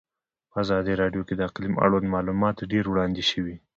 په ازادي راډیو کې د اقلیم اړوند معلومات ډېر وړاندې شوي.